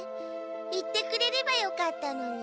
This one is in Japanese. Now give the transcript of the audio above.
言ってくれればよかったのに。